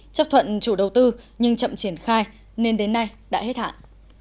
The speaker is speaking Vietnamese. chấp thuận chủ đầu tư nhưng chậm triển khai nên đến nay đã hết hạn